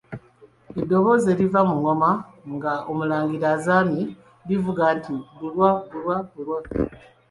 Eddoboozi eriva mu Ŋŋoma nga Omulangira azaamye livuga nti Bulwa, Bulwa, Bulwa.